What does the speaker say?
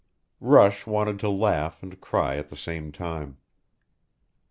Rush wanted to laugh and cry at the same time.